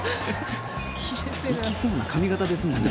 いきそうな髪形ですもんね。